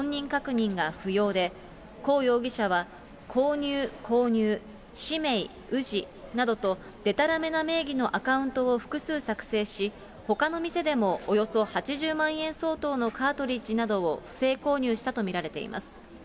当時、ａｕＰＡＹでは銀行口座からチャージする場合は本人確認が不要で、こう容疑者は購入・購入、氏名・氏などと、でたらめな名義のアカウントを複数作成し、ほかの店でもおよそ８０万円相当のカートリッジなどを不正購入したと見られています。